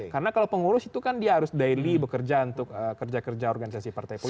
karena kalau pengurus itu kan dia harus daily bekerja untuk kerja kerja organisasi partai politik